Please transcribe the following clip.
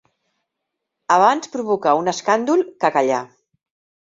Abans provocar un escàndol que callar.